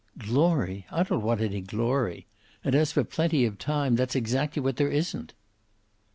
"Glory! I don't want any glory. And as for plenty of time that's exactly what there isn't."